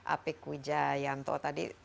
apik wijayanto tadi